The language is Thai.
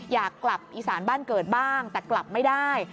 อยากกลับอีสานบ้านเกิดบ้างแต่กลับไม่ได้